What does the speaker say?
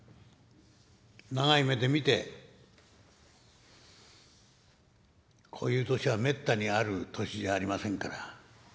長い目で見てこういう年はめったにある年じゃありませんから。